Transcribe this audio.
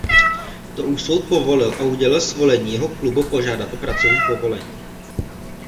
To už soud povolil a udělil svolení jeho klubu požádat o pracovní povolení.